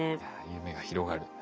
夢が広がる。